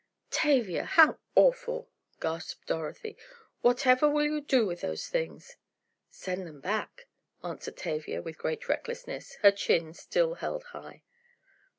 "Tavia, how awful!" gasped Dorothy. "Whatever will you do with those things!" "Send them back," answered Tavia, with great recklessness, her chin still held high.